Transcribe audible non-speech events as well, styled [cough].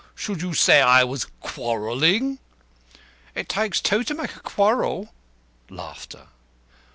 Should you say I was quarrelling?" "It takes two to make a quarrel." [laughs]